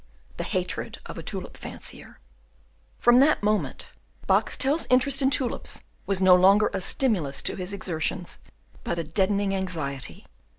The Hatred of a Tulip fancier From that moment Boxtel's interest in tulips was no longer a stimulus to his exertions, but a deadening anxiety.